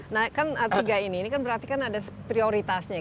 nah kan tiga ini berarti kan ada prioritasnya